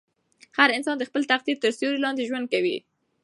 هر انسان د خپل تقدیر تر سیوري لاندې ژوند کوي.